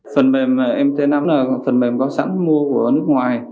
phần mềm mtnam là phần mềm có sẵn mua của nước ngoài